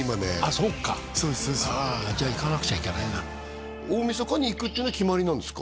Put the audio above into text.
そっかじゃあ行かなくちゃいけないな大晦日に行くってのは決まりなんですか？